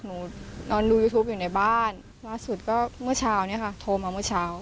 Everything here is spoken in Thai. หนูนอนดูยูทูปอยู่ในบ้านล่าสุดก็เมื่อเช้าเนี่ยค่ะโทรมาเมื่อเช้า